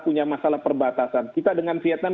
punya masalah perbatasan kita dengan vietnam